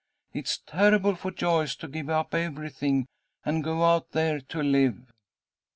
It's terrible for Joyce to give up everything and go out there to live."